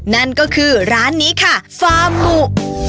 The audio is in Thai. นั่นก็คือร้านนี้ค่ะฟาร์หมู